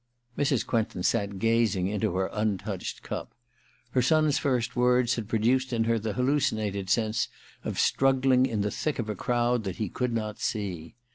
Mrs. Quentin sat gazing into her untouched cup. Her son's first words had produced in her the hallucinated sense of struggling in the thick of a crowd that he could not see.